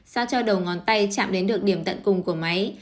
sao cho đầu ngón tay chạm đến được điểm tận cùng của máy